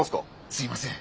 すいません。